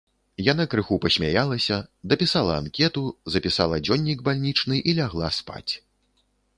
Яна крыху пасмяялася, дапісала анкету, запісала дзённік бальнічны і лягла спаць.